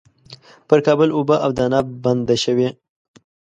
پر کابل اوبه او دانه بنده شوې.